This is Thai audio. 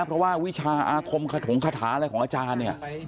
เพราะว่าวิชาอาคมขถงคาถาอะไรของอาจารย์เนี่ย